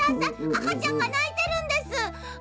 あかちゃんがないてるんです。